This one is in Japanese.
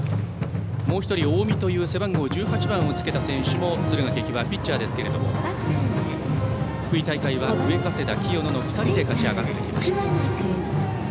もう１人、大味という背番号１８番をつけた選手も敦賀気比はピッチャーですけれども福井大会は上加世田、清野の２人で勝ち上がってきました。